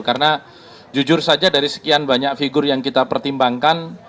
karena jujur saja dari sekian banyak figur yang kita pertimbangkan